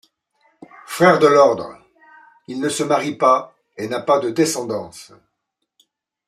Frère de l'Ordre, il ne se marie pas et n'a pas de descendance.